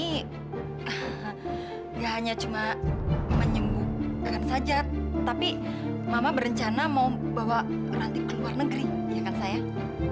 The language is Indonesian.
ini gak hanya cuma menyembuhkan saja tapi mama berencana mau bawa ranting ke luar negeri ya kan sayang